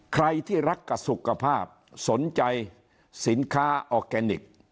ใครที่รักกับสุขภาพสนใจสินค้าออร์แกนิค